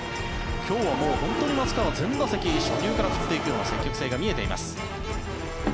今日は本当に松川は全打席、初球から振っていく積極性が見えています。